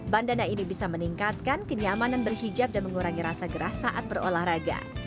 bandana ini bisa meningkatkan kenyamanan berhijab dan mengurangi rasa gerah saat berolahraga